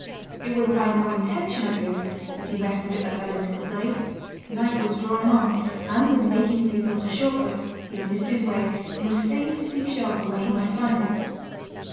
It was by no intention of his that he rested at that identical place. Night was drawing on; and, in making, as he thought, a short cut, he had missed his way, and was fain to seek shelter where he might find it.